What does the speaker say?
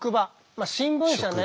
まあ新聞社ね。